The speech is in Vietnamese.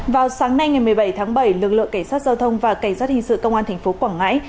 vào sáng nay ngày một mươi bảy tháng bảy lực lượng cảnh sát giao thông và cảnh sát hình sự công an thành phố quảng ngãi